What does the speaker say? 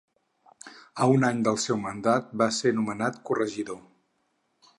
A un any del seu mandat, va ser nomenat corregidor.